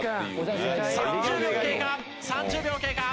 ３０秒経過。